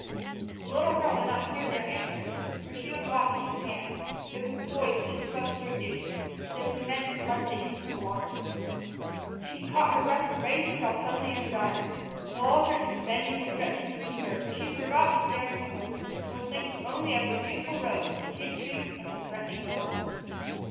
The little girl did not hear their answer, for she was watching his hand. It was poised just above the fruit dish, as if he meant to plunge it into the water. She caught her breath and raised herself suddenly in his arms. The whole church was bending and stretching to see her, but she forgot the staring people, and was thinking only of her beautiful robe, the kid shoes, and the threatening water.